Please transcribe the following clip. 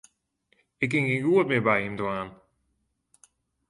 Ik kin gjin goed mear by him dwaan.